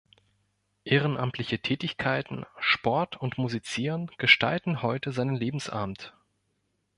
Ehrenamtliche Tätigkeiten, Sport und Musizieren gestalten heute seinen Lebensabend.